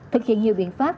thực hiện nhiều viện pháp